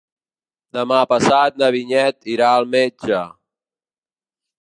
Demà passat na Vinyet irà al metge.